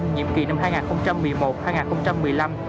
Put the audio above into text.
nhiệm kỳ năm hai nghìn một mươi một hai nghìn một mươi năm